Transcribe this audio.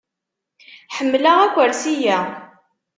Ḥemmleɣ akersi-a.